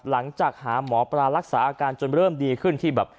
หลังจากหาหมอปลารักษาอาการจนเริ่มดีขึ้นที่แบบ